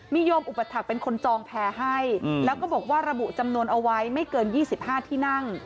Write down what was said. มีโยมอุปถักษ์เป็นคนจองแพร่ให้แล้วก็บอกว่าระบุจำนวนเอาไว้ไม่เกิน๒๕ที่นั่ง